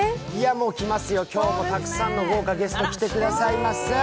もう来ますよ、今日もたくさんの豪華ゲスト来てくださいます。